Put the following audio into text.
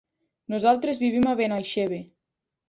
Nosaltres vivim a Benaixeve.